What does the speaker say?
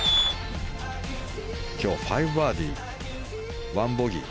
今日は５バーディー、１ボギー。